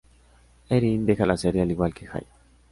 Erin deja la serie al igual que Jay.